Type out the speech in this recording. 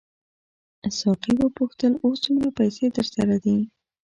ساقي وپوښتل اوس څومره پیسې درسره دي.